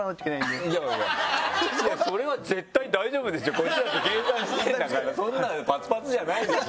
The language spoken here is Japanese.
こっちだって計算してるんだからそんなのパツパツじゃないでしょ。